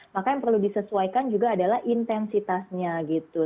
maka yang perlu disesuaikan juga adalah intensitasnya gitu